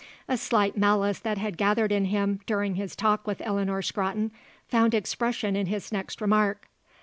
A slight malice that had gathered in him during his talk with Eleanor Scrotton found expression in his next remark.